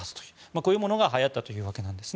こういうものがはやったというわけです。